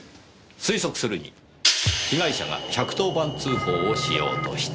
推測するに被害者が１１０番通報をしようとした。